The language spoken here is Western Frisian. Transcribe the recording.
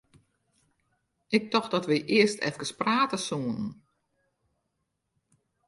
Ik tocht dat wy earst eefkes prate soene.